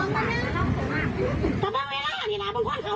มันมาพูดงอกหนิดเขาโคตรให้